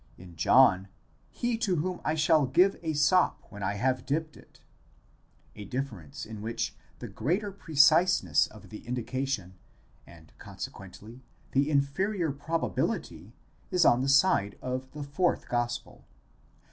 μετ᾽ ἐμοῦ: in John, he to whom 7 shall give a sop when I have dipped it, ᾧ ἐγὼ βάψας τὸ ψωμίον ἐπιδώσω ; a difference in which the greater preciseness of the indication, and consequently the inferior probability, is on the side of the fourth gospel.